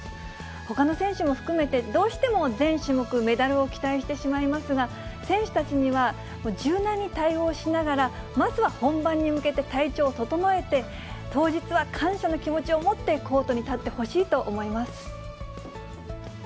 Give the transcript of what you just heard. ほかの選手も含めて、どうしても全種目、メダルを期待してしまいますが、選手たちには、柔軟に対応しながら、まずは本番に向けて、体調を整えて、当日は感謝の気持ちを持って、コートに立ってほしいと思います。